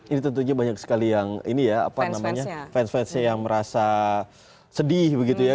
ini tentunya banyak sekali yang ini ya apa namanya fans fansnya yang merasa sedih begitu ya